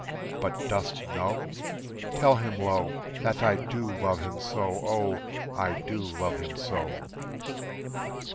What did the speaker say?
But dost know? Tell him low, "That I do love him so, Oh! I do love him so."